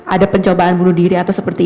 ada pencobaan bunuh diri atau seperti